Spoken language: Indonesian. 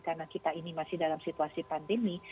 karena kita ini masih dalam situasi pandemi